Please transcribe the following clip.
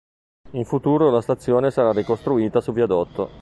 In futuro la stazione sarà ricostruita su viadotto.